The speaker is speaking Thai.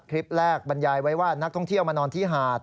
คลิปแรกบรรยายไว้ว่านักท่องเที่ยวมานอนที่หาด